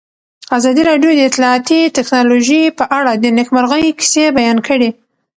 ازادي راډیو د اطلاعاتی تکنالوژي په اړه د نېکمرغۍ کیسې بیان کړې.